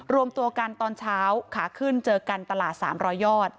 รวมตัวกันตอนเช้าขาขึ้นเจอกันตลาด๓๐๐ยอด